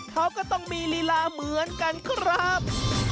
เขาก็ต้องมีลีลาเหมือนกันครับ